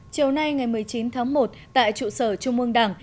chiều nay ngày một mươi chín tháng một tại trụ sở trung ương đảng